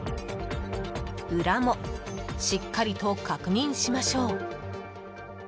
裏もしっかりと確認しましょう。